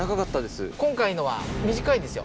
今回のは短いんですよ